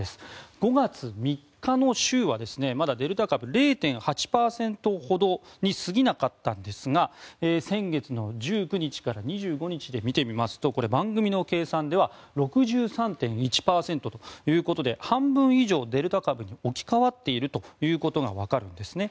５月３日の週はまだデルタ株０．８％ほどに過ぎなかったんですが先月の１９日から２５日で見てみますとこれ、番組の計算では６３．１％ということで半分以上デルタ株に置き換わっているということがわかるんですね。